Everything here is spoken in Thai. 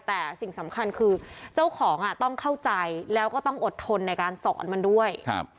แต่สิ่งสำคัญคือเจ้าของต้องเข้าใจแล้วก็ต้องอดทนในการสอนมันด้วย